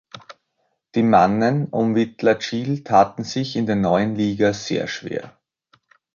Die Mannen um Witlatschil taten sich in der neuen Liga sehr schwer.